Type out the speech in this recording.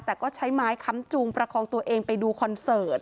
แต่ก็ใช้ไม้ค้ำจุงประคองตัวเองไปดูคอนเสิร์ต